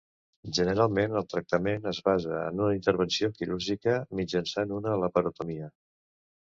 Generalment, el tractament es basa en una intervenció quirúrgica, mitjançant una laparotomia.